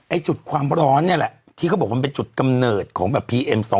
ไอ่จุดความร้อนที่เขาบอกว่าเป็นจุดกำเนิดของปีเอ็ม๒๕